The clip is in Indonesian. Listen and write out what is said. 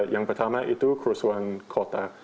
yang pertama itu kerusuhan kota